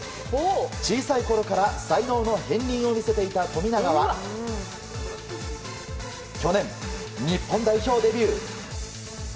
小さいころから才能の片りんを見せていた富永は去年、日本代表デビュー。